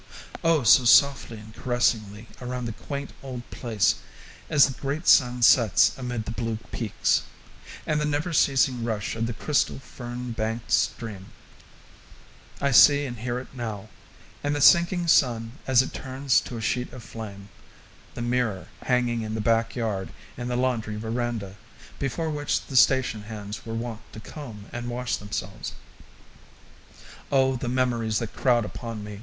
oh, so softly and caressingly around the quaint old place, as the great sun sets amid the blue peaks; and the never ceasing rush of the crystal fern banked stream I see and hear it now, and the sinking sun as it turns to a sheet of flame the mirror hanging in the backyard in the laundry veranda, before which the station hands were wont to comb and wash themselves. Oh, the memories that crowd upon me!